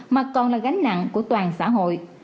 mà còn là gánh nặng của toàn xã hội